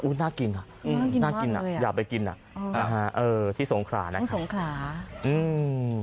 อู้น่ากินอ่ะน่ากินอ่ะอยากไปกินอ่ะอ่าฮะเออที่สงครานะฮะที่สงคราอืม